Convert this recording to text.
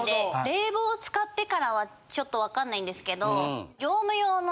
冷房を使ってからはちょっと分かんないんですけど。